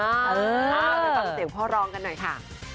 ไปฟังเสียงพ่อรองกันหน่อยค่ะ